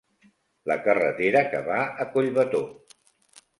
La carretera que va a Collbató.